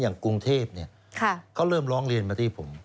อย่างกรุงเทพเขาเริ่มร้องเรียนมาที่ผม